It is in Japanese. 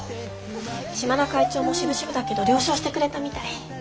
島田会長もしぶしぶだけど了承してくれたみたい。